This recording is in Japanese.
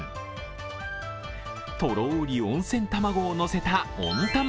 とろり温泉卵を乗せた温玉